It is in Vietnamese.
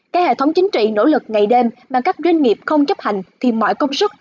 các hệ thống chính trị nỗ lực ngày đêm mà các doanh nghiệp không chấp hành thì mọi công sức